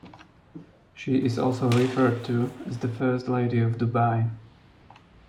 She is also referred to as the First Lady of Dubai.